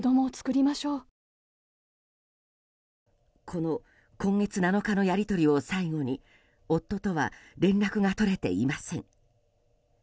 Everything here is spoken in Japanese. この今月７日のやり取りを最後に夫とは連絡が取れていません。